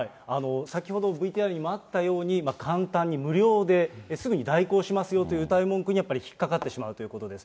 先ほどＶＴＲにもあったように、簡単に無料ですぐ代行しますよといううたい文句にやっぱり引っ掛かってしまうということです。